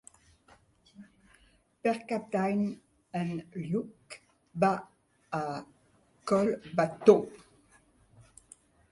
Per Cap d'Any en Lluc va a Collbató.